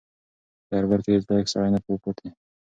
په دربار کې هیڅ لایق سړی نه و پاتې.